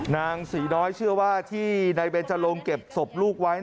นางศรีน้อยเชื่อว่าที่นายเบนจรงเก็บศพลูกไว้